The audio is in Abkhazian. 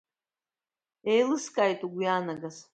Иеилыскааит угәы иаанагаз.